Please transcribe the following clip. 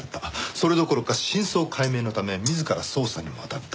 それどころか真相解明のため自ら捜査にもあたった。